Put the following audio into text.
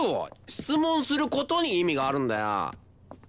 質問する事に意味があるんだよ。